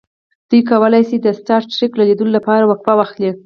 دوی کولی شي د سټار ټریک لیدلو لپاره وقفه واخلي